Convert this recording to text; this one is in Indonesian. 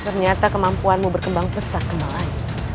ternyata kemampuanmu berkembang pesat kembali